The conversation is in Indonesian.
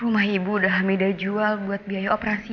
rumah ibu udah hamida jual buat biaya operasi